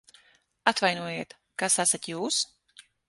Atvainojiet, kas esat jūs?